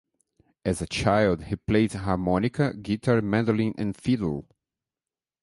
As a child he played harmonica, guitar, mandolin and fiddle.